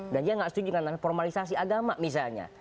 dan dia nggak setuju dengan formalisasi agama misalnya